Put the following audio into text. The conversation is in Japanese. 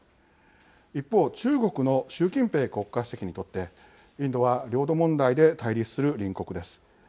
一方、中国の習近平国家主席にとってインドは領土問題で対立する隣国です。